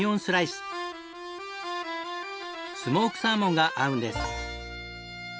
スモークサーモンが合うんです。